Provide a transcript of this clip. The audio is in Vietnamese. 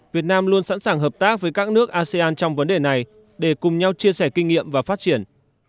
việt nam luôn sẵn sàng hợp tác với các nước asean trong vấn đề này để cùng nhau chia sẻ kinh nghiệm và phát triển